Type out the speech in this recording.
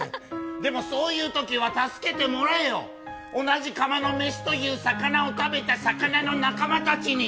でも、そういうときは助けてもらえよ、同じ釜のめしという魚を食べた魚の仲間たちに。